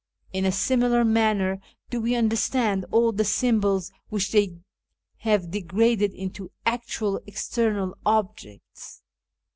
In a similar manner do we understand all the symbols which they have degraded into actual external objects.